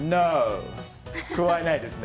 加えないですね。